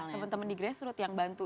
teman teman di grassroot yang bantu